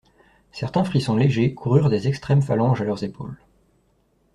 Certains frissons légers coururent des extrêmes phalanges à leurs épaules.